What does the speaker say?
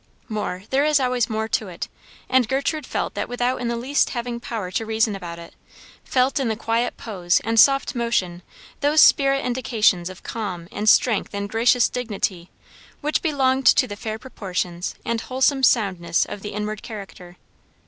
More; there always is more to it; and Gertrude felt that without in the least having power to reason about it; felt in the quiet pose and soft motion those spirit indications of calm and strength and gracious dignity, which belonged to the fair proportions and wholesome soundness of the inward character.